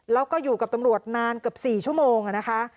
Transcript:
แล้วก็อยู่กับตำรวจนานเกือบ๔ชั่วโมงนะคะ